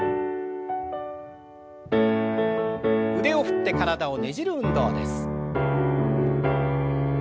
腕を振って体をねじる運動です。